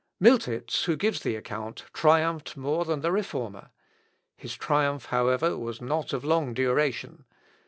Miltitz, who gives the account, triumphed more than the Reformer. His triumph, however, was not of long duration.